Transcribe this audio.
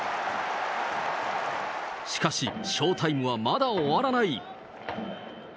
しかし、ショータイムはまだ終わらない。